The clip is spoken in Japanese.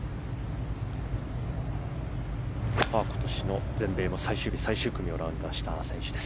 今年の全米の最終日、最終組をラウンドした選手です。